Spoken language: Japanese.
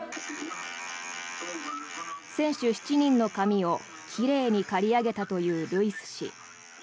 選手７人の髪を奇麗に刈り上げたというルイス氏。